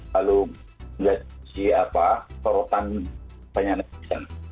lalu melalui apa sorotan banyaknya